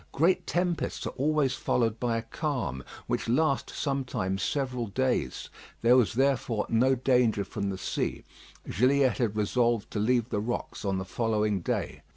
Great tempests are always followed by a calm, which lasts sometimes several days. There was, therefore, no danger from the sea. Gilliatt had resolved to leave the rocks on the following day.